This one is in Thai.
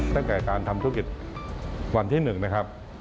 ตั้งแต่การทำธุรกิจวันที่๑นะครับ